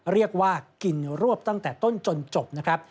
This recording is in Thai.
เรียกว่ากินรวบตั้งแต่ต้นจนจบนะครับ